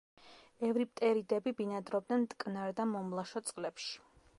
ევრიპტერიდები ბინადრობდნენ მტკნარ და მომლაშო წყლებში.